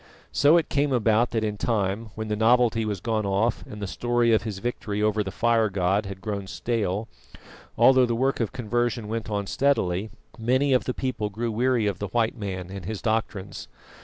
So it came about that in time, when the novelty was gone off and the story of his victory over the Fire god had grown stale, although the work of conversion went on steadily, many of the people grew weary of the white man and his doctrines.